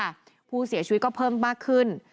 ต่อเนื่องค่ะผู้เสียชีวิตก็เพิ่มมากขึ้น